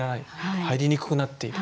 入りにくくなっている。